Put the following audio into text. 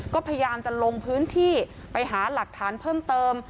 ก็พยายามจะลงพื้นที่ไปหาหลักฐานเพิ่มเติม